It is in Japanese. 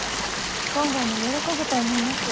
金剛も喜ぶと思います。